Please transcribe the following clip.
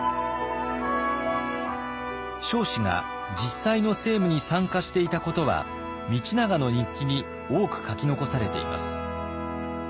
彰子が実際の政務に参加していたことは道長の日記に多く書き残されています。